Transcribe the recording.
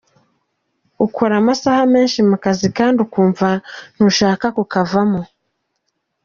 Ukora amasaha menshi mu kazi kandi ukumva ntushaka kukavamo.